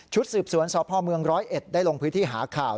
ชุดสืบสวนซพม๑๐๑ได้ลงพื้นที่หาข่าว